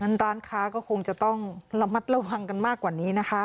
ร้านค้าก็คงจะต้องระมัดระวังกันมากกว่านี้นะคะ